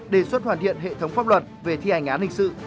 đề xuất hoàn thiện hệ thống pháp luật về thi hành án hình sự